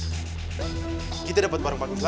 bang kita dapat barang bagus lagi nih